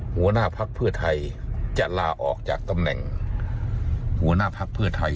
หัวหน้าภักดิ์เพื่อไทยจะลาออกจากตำแหน่งหัวหน้าภักดิ์เพื่อไทย